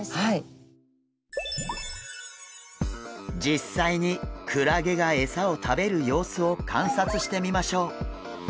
実際にクラゲがエサを食べる様子を観察してみましょう。